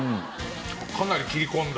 かなり切り込んだ？